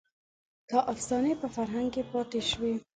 دا افسانې په فرهنګ کې پاتې شوې.